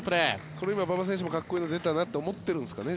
これ、今の馬場選手もかっこいいの出たなって思ってるんですかね。